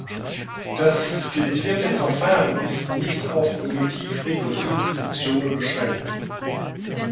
Das skizzierte Verfahren ist nicht auf primitiv-rekursive Funktionen beschränkt.